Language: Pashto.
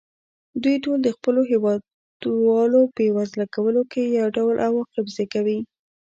دوی ټول د خپلو هېوادوالو بېوزله کولو کې یو ډول عواقب زېږوي.